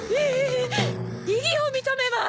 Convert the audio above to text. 異議を認めます！